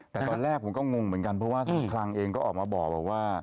แต่ตอนแรกผมก็งงเหมือนกันเพราะว่าคลังเองก็ออกมาบอกว่า